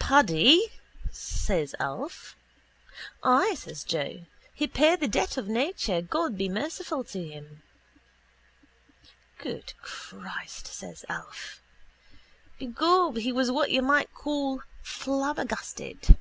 —Paddy? says Alf. —Ay, says Joe. He paid the debt of nature, God be merciful to him. —Good Christ! says Alf. Begob he was what you might call flabbergasted.